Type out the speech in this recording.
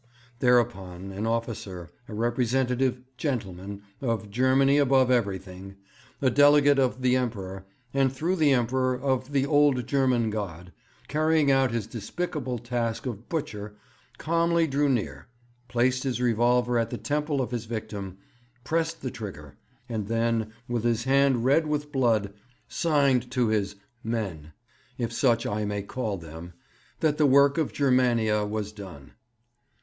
Thereupon an officer, a representative gentleman of "Germany above everything," a delegate of the Emperor, and, through the Emperor, of "the old German God," carrying out his despicable task of butcher, calmly drew near, placed his revolver at the temple of his victim, pressed the trigger, and then, with his hand red with blood, signed to his "men," if such I may call them, that the work of Germania was done.